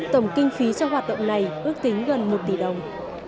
tổng kinh phí cho hoạt động này ước tính gần một tỷ đồng